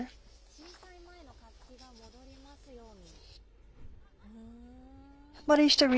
震災前の活気が戻りますように！